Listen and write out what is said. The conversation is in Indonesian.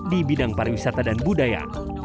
di bidang pariwisata dan budaya